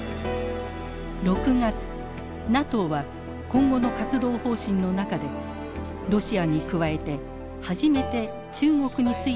６月ＮＡＴＯは今後の活動方針の中でロシアに加えて初めて中国についても言及。